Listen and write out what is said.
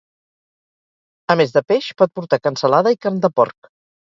A més de peix pot portar cansalada i carn de porc.